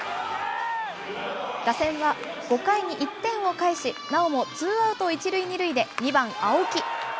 打線は５回に１点を返し、なおもツーアウト１塁２塁で２番青木。